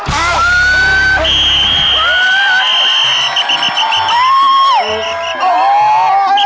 มาลอด